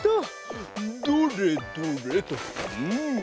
どれどれっとん。